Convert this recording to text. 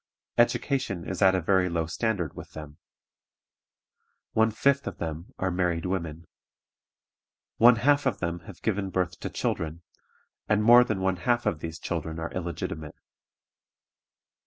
Education is at a very low standard with them. One fifth of them are married women. One half of them have given birth to children, and more than one half of these children are illegitimate.